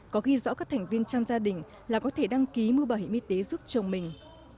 có ghi rõ các thành viên trong gia đình là có thể đăng ký mua bảo hiểm y tế giúp chồng mình